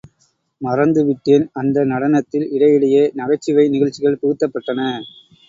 மறந்துவிட்டேன் அந்த நடனத்தில் இடையிடையே நகைச்சுவை நிகழ்ச்சிகள் புகுத்தப்பட்டன.